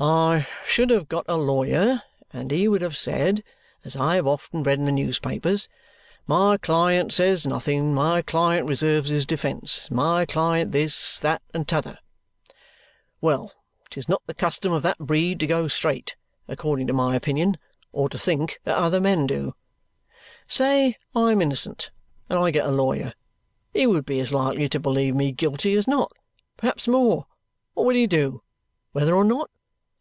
"I should have got a lawyer, and he would have said (as I have often read in the newspapers), 'My client says nothing, my client reserves his defence': my client this, that, and t'other. Well, 'tis not the custom of that breed to go straight, according to my opinion, or to think that other men do. Say I am innocent and I get a lawyer. He would be as likely to believe me guilty as not; perhaps more. What would he do, whether or not?